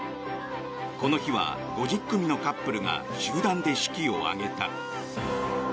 この日は５０組のカップルが集団で式を挙げた。